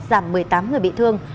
giảm một mươi tám người bị thương